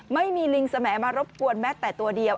ไม่มีลิงสมัยมารบกวนแม้แต่ตัวเดียว